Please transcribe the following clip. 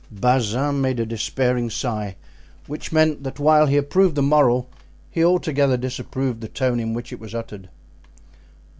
Bazin made a despairing sign which meant that while perhaps he approved the moral he altogether disapproved the tone in which it was uttered.